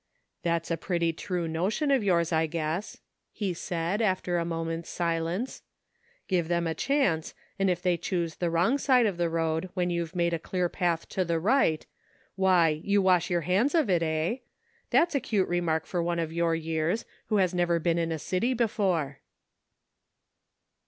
"That's a pretty true notion of yours, I guess," he said, after a moment's silence. " Give them a chance, and if they choose the wrong side of the road when you've made a clear path to the right, why, you wash your hands of it, eh ? That's a cute remark for one of your years, who has never been in a city before."